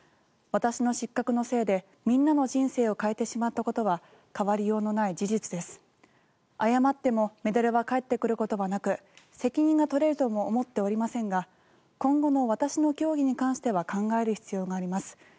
私の失格のせいでみんなの人生を変えてしまったことは変わりようのない事実です謝ってもメダルは返ってくることはなく責任が取れるとも思っていませんが今後の私の競技に関しては考える必要があります。